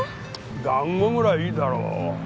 団子ぐらいいいだろう。